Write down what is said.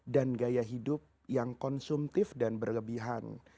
dan gaya hidup yang konsumtif dan berlebihan